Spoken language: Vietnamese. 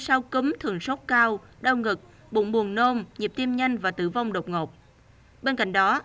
sau cúm thường sốc cao đau ngực bụng buồn nôn nhịp tim nhanh và tử vong độc ngột bên cạnh đó